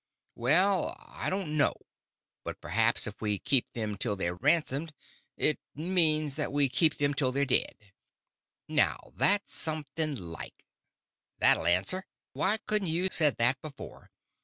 "Well, I don't know. But per'aps if we keep them till they're ransomed, it means that we keep them till they're dead." "Now, that's something like. That'll answer. Why couldn't you said that before?